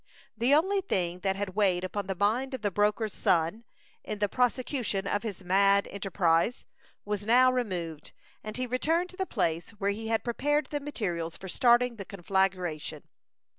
The only thing that had weighed upon the mind of the broker's son, in the prosecution of his mad enterprise, was now removed, and he returned to the place where he had prepared the materials for starting the conflagration.